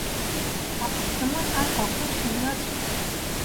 এমন আর কখন শুনিয়াছ?